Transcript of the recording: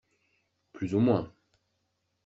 Plus ou moins.